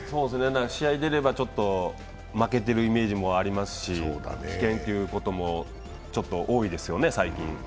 試合に出れば負けてるイメージもありますし、棄権ということもちょっと多いですよね、最近。